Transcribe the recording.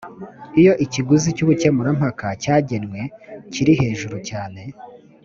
iyo ikiguzi cy ubukemurampaka cyagenwe kiri hejuru cyane